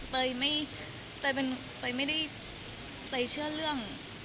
เตยไม่ได้ใจเชื่อเรื่อง